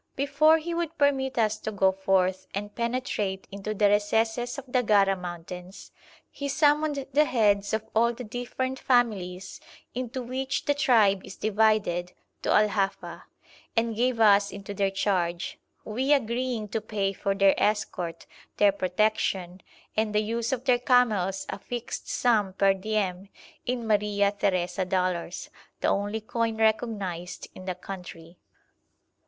Before he would permit us to go forth and penetrate into the recesses of the Gara mountains, he summoned the heads of all the different families into which the tribe is divided to Al Hafa, and gave us into their charge, we agreeing to pay for their escort, their protection, and the use of their camels a fixed sum per diem in Maria Theresa dollars, the only coin recognised in the country.